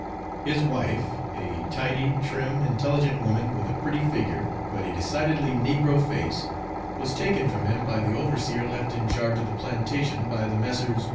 His wife a tidy, trim, intelligent woman, with a pretty figure, but a decidedly negro face was taken from him by the overseer left in charge of the plantation by the Messrs.